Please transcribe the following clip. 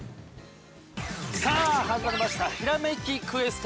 ◆さあ始まりました「ひらめきクエスト」。